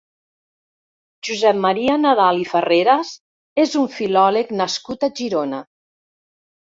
Josep Maria Nadal i Farreras és un filòleg nascut a Girona.